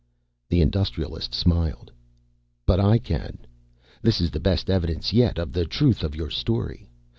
The Industrialist smiled. "But I can. This is the best evidence yet of the truth of your story.